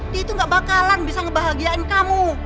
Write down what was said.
dia itu gak bakalan bisa ngebahagiain kamu